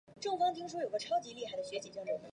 缅南杭子梢为豆科杭子梢属下的一个亚种。